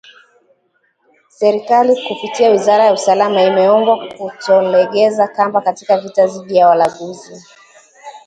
Serikali kupitia wizara ya usalama imeombwa kutolegeza kamba katika vita dhidi ya walanguzi